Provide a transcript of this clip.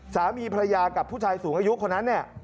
สามีภรรยากับผู้ชายสูงอายุคนนั้นเนี่ย